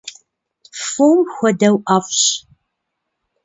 Фом хуэдэу ӏэфӏщ.